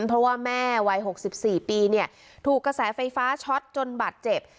เพราะว่าแม่วัย๖๔ปีเนี่ยถูกกระแสไฟฟ้าช็อตจนบาดเจ็บ